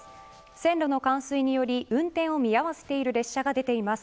線路の冠水により運転を見合わせている列車が出ています。